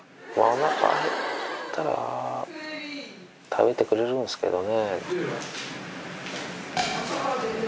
腹がへったら食べてくれるんですけどね。